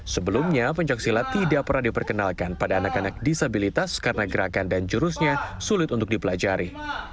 sebelumnya pencaksilat tidak pernah diperkenalkan pada anak anak disabilitas karena gerakan dan jurusnya sulit untuk dipelajari